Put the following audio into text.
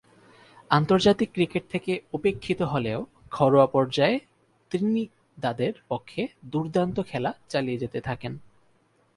আন্তর্জাতিক ক্রিকেট থেকে উপেক্ষিত হলেও ঘরোয়া পর্যায়ে ত্রিনিদাদের পক্ষে দূর্দান্ত খেলা চালিয়ে যেতে থাকেন।